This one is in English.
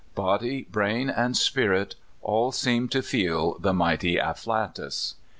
Body, brain, and spirit, all seemed to feel the mighty afflatus.